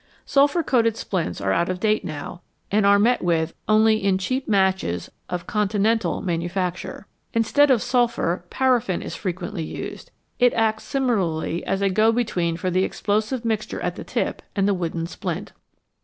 Sulphur coated splints are out of date now, and are met with only in cheap matches of con tinental manufacture. Instead of sulphur, paraffin is frequently used ; it acts similarly as a go between for the explosive mixture at the tip and the wooden splint.